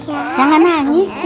ari jangan nangis ya